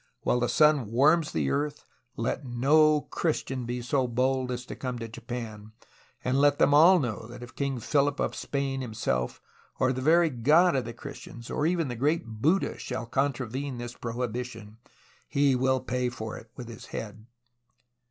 While the sun warms the earth let no Christian be so bold as to come to Japan, and let them all know that if King Philip of Spain himself, or the very God of the Christians, or even the great Buddha, shall contravene this pro hibition, he will pay for it with his head.'